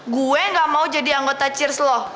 gue gak mau jadi anggota cheers lo